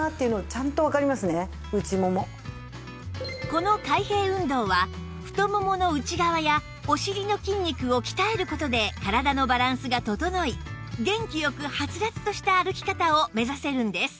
この開閉運動は太ももの内側やお尻の筋肉を鍛える事で体のバランスが整い元気よくハツラツとした歩き方を目指せるんです